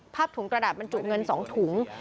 ถุงกระดาษบรรจุเงิน๒ถุง